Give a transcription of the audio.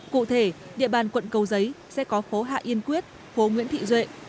cụ thể địa bàn quận cầu giấy sẽ có phố hạ yên quyết phố nguyễn thị duệ